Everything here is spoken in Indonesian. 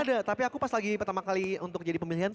ada tapi aku pas lagi pertama kali untuk jadi pemilihan tuh